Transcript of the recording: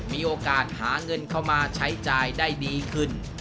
มีโอกาสหาเงินเข้ามาใช้จ่ายได้ดีขึ้น